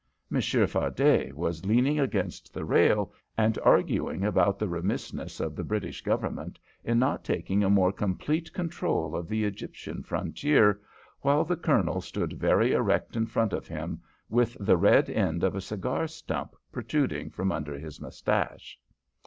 Monsieur Fardet was leaning against the rail and arguing about the remissness of the British Government in not taking a more complete control of the Egyptian frontier, while the Colonel stood very erect in front of him, with the red end of a cigar stump protruding from under his moustache.